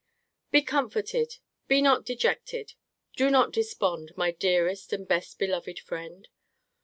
Be comforted; be not dejected; do not despond, my dearest and best beloved friend.